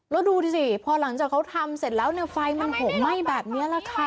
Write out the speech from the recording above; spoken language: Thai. แล้วดูสิพอหลังจากเขาทำเสร็จแล้วเนี่ยไฟมันโหมไหม้แบบนี้แหละค่ะ